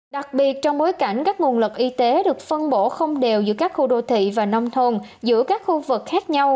đặc biệt trong bối cảnh các nguồn lực y tế được phân bổ không đều giữa các khu đô thị và nông thôn giữa các khu vực khác nhau